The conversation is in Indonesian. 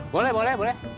boleh boleh boleh